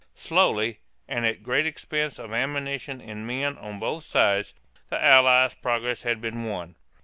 Slowly, and at great expense of ammunition and men on both sides, the Allied progress had been won.